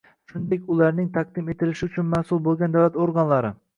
shuningdek ularning taqdim etilishi uchun mas’ul bo‘lgan davlat organlari